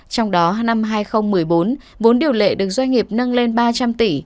trong đó năm hai nghìn một mươi bốn vốn điều lệ được doanh nghiệp nâng lên ba trăm linh tỷ